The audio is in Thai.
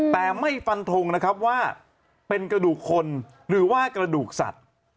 แต่ไม่ฟันทงนะครับว่าเป็นกระดูกคนหรือว่ากระดูกสัตว์